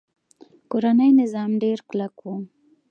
کورنۍ نظام ډیر کلک و